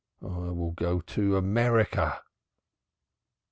I will go to America."